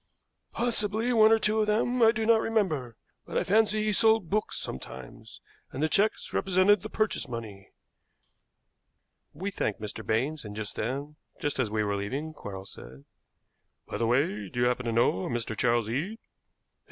"Possibly, one or two of them, I do not remember; but I fancy he sold books sometimes, and the checks represented the purchase money." We thanked Mr. Baines, and then, just as we were leaving, Quarles said: "By the way, do you happen to know a Mr. Charles Eade?"